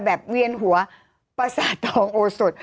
แบบเวียนหัวโอสส